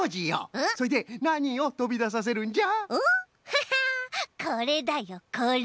ヘヘッこれだよこれ。